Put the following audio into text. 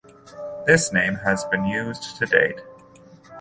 This name has been used to date.